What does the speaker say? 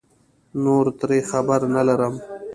نور ترې خبر نه لرم